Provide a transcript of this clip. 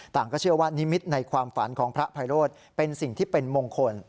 ก็เชื่อว่านิมิตในความฝันของพระไพโรธเป็นสิ่งที่เป็นมงคล